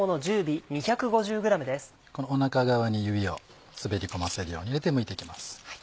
このおなか側に指を滑り込ませるように入れてむいて行きます。